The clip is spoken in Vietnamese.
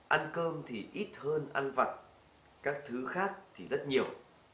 ăn cơm thì ít hơn ăn vặt các thứ khác thì rất nhiều